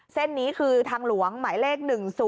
เส้นนี้คือทางหลวงหมายเลข๑๐